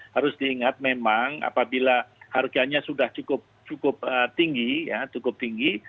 harus diingat memang apabila harganya sudah cukup tinggi cukup tinggi